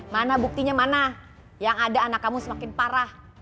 mana buktinya mana yang ada anak kamu semakin parah